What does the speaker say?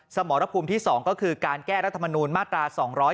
สมรภูมิที่๒ก็คือการแก้รัฐมนูลมาตรา๒๗